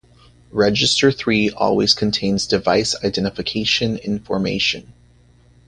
Register three always contains device identification information.